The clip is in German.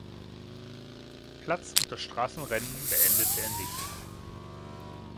Platz und das Straßenrennen beendete er nicht.